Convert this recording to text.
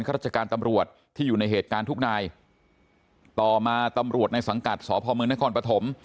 ราชการตำรวจที่อยู่ในเหตุการณ์ทุกนายต่อมาตำรวจในสังกัดสพมนครปฐม